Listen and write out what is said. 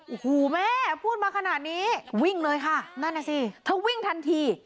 โอ้โหแม่พูดมาขนาดนี้วิ่งเลยค่ะนั่นน่ะสิเธอวิ่งทันที